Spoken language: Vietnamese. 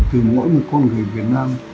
từ mỗi một con người việt nam